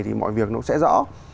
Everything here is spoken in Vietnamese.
thì mọi việc nó cũng sẽ rõ